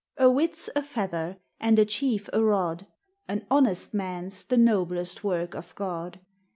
A wit 's a feather, and a chief a rod ; An honest man 's the noblest work of God.